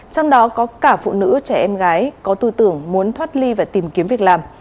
trong đó có cả phụ nữ trẻ em gái có tư tưởng muốn thoát ly và tìm kiếm việc làm